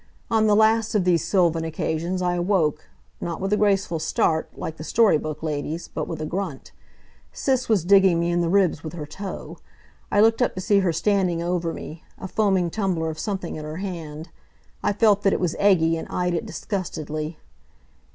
On the last of these sylvan occasions I awoke, not with a graceful start, like the story book ladies, but with a grunt. Sis was digging me in the ribs with her toe. I looked up to see her standing over me, a foaming tumbler of something in her hand. I felt that it was eggy and eyed it disgustedly.